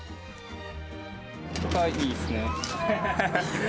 これかわいいですね。